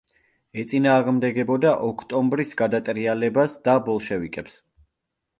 ეწინააღმდეგებოდა ოქტომბრის გადატრიალებას და ბოლშევიკებს.